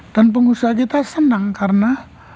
dan pengusaha kita senang karena